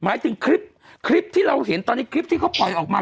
หมายถึงคลิปคลิปที่เราเห็นตอนนี้คลิปที่เขาปล่อยออกมา